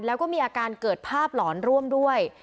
แล้วก็มีอาการเกิดภาพหลอนร่วมด้วย